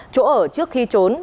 chỗ ở trước khi trốn